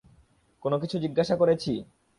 কোন কিছু জিজ্ঞাসা করেছি?